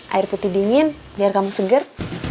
air putih dingin biar kamu seger